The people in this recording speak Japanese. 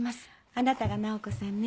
あなたが菜穂子さんね。